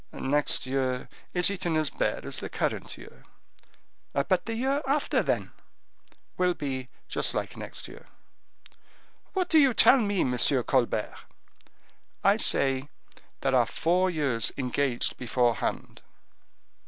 "Next year is eaten as bare as the current year." "But the year after, then?" "Will be just like next year." "What do you tell me, Monsieur Colbert?" "I say there are four years engaged beforehand."